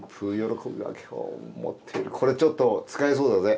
これちょっと使えそうだぜ。